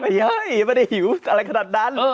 เฮ้ยไม่ได้หิวอะไรขนาดนั้น